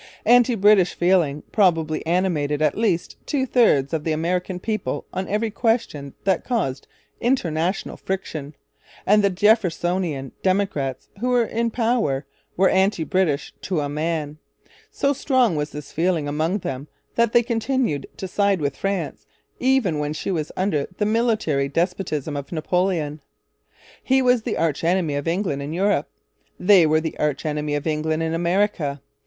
Anti British feeling probably animated at least two thirds of the American people on every question that caused international friction; and the Jeffersonian Democrats, who were in power, were anti British to a man. So strong was this feeling among them that they continued to side with France even when she was under the military despotism of Napoleon. He was the arch enemy of England in Europe. They were the arch enemy of England in America.